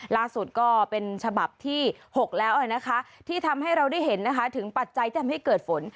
ล่าสุดก็เป็นฉบับที่๖แล้วนะคะที่ทำให้เราได้เห็นนะคะถึงปัจจัยที่ทำให้เกิดฝน